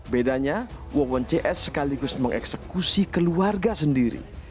bedanya wawon cs sekaligus mengeksekusi keluarga sendiri